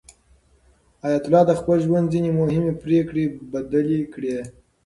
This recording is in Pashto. حیات الله د خپل ژوند ځینې مهمې پرېکړې بدلې کړې.